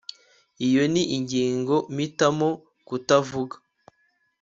Iyo ni ingingo mpitamo kutavuga